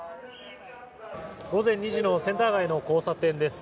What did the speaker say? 午前２時のセンター街の交差点です。